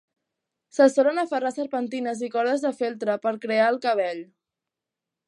Se solen aferrar serpentines i cordes de feltre per a crear el cabell.